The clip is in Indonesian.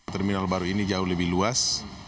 terminal baru ini jauh lebih luas